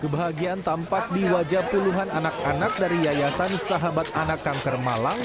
kebahagiaan tampak di wajah puluhan anak anak dari yayasan sahabat anak kanker malang